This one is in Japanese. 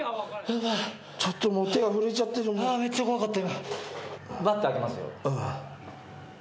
めっちゃ怖かった。